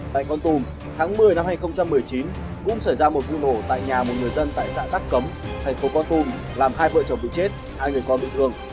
tại con tum tháng một mươi năm hai nghìn một mươi chín cũng xảy ra một vụ nổ tại nhà một người dân tại xã tắc cấm thành phố con tum làm hai vợ chồng bị chết hai người con bị thương